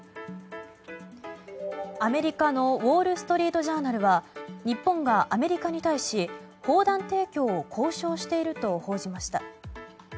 アメリカのウォール・ストリート・ジャーナルは日本がアメリカに対し砲弾提供を交渉していると報じました。